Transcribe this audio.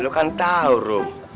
lo kan tau rum